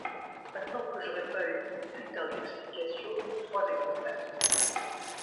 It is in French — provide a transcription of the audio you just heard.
Pas tant que j’aurai pas eu une putain d’explication en trois exemplaires !